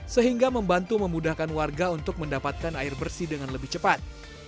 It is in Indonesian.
sehingga membantu memudahkan warga untuk mendapatkan air bersih dengan lebih cepat